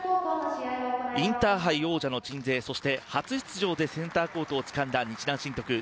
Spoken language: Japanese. インターハイ王者の鎮西そして初出場でセンターコートをつかんだ日南振徳